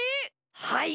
はい。